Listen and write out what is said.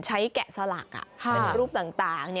แกะสลักเป็นรูปต่าง